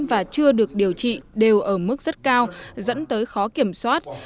và chưa được điều trị đều ở mức rất cao dẫn tới khó kiểm soát